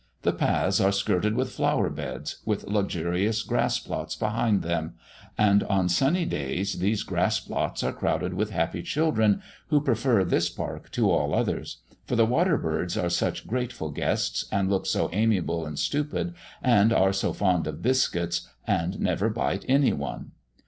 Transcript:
The paths are skirted with flower beds, with luxurious grass plots behind them; and on sunny days these grass plots are crowded with happy children, who prefer this park to all others, for the water birds are such grateful guests, and look so amiable and stupid, and are so fond of biscuits, and never bite any one.